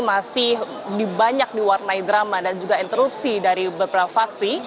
masih banyak diwarnai drama dan juga interupsi dari beberapa vaksi